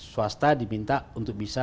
swasta diminta untuk bisa